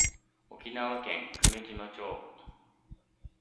沖縄県久米島町